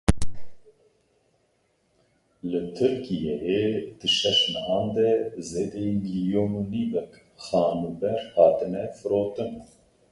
Li Tirkiyeyê di şeş mehan de zêdeyî milyon û nîvek xanûber hatine firotin.